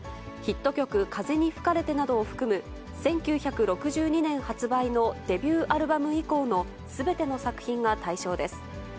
ヒット曲、風に吹かれてなどを含む１９６２年発売のデビューアルバム以降のすべての作品が対象です。